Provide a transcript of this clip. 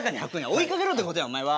追いかけろってことやお前は。